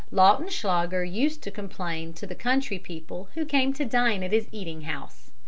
Lautenschlager used also to complain to the country people who came to dine at his eating house.